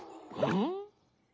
ん？